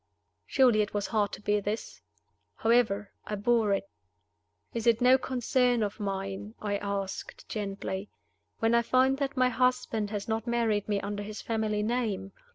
Surely it was hard to bear this? However, I bore it. "Is it no concern of mine?" I asked, gently, "when I find that my husband has not married me under his family name?